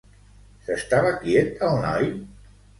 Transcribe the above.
S'estava quiet el noi?